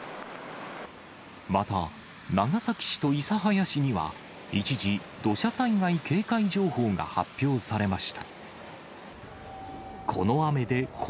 また、長崎市と諫早市には一時、土砂災害警戒情報が発表されました。